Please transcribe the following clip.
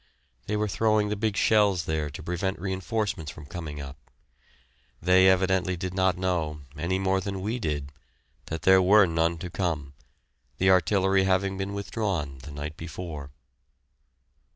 They were throwing the big shells there to prevent reinforcements from coming up. They evidently did not know, any more than we did, that there were none to come, the artillery having been withdrawn the night before.